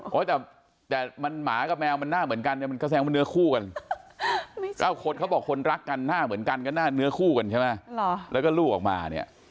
เขาเอาลูกมาเทียบให้ดูว่าลูกหน้าเหมือนหรือเปล่า